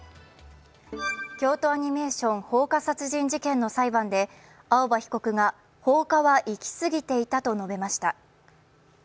京都アニメーション放火殺人事件の裁判で青葉被告が、放火は行き過ぎていたと述べました。